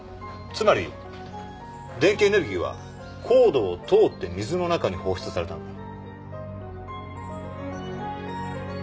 つまり電気エネルギーはコードを通って水の中に放出されたんだ。